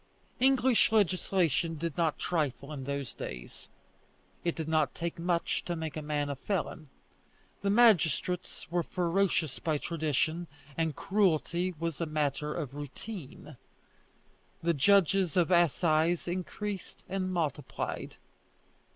English legislation did not trifle in those days. It did not take much to make a man a felon. The magistrates were ferocious by tradition, and cruelty was a matter of routine. The judges of assize increased and multiplied.